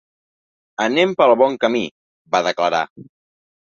Anem pel bon camí, va declarar.